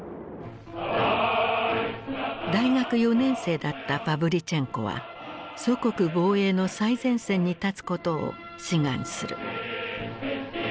大学４年生だったパヴリチェンコは祖国防衛の最前線に立つことを志願する。